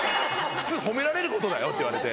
普通褒められることだよ」って言われて。